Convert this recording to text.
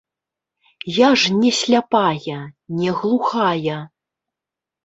Я ж не сляпая, не глухая.